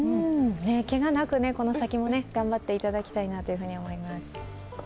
けがなく、この先も頑張っていただきたいなと思います。